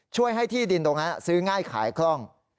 ช่วยให้ที่ดินตรงนั้นซื้อง่ายขายคล่อง